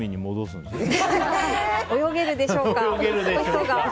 泳げるんでしょうか。